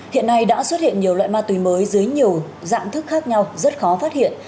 hiện nay đã xuất hiện nhiều loại ma túy mới dưới nhiều dạng thức khác nhau rất khó phát hiện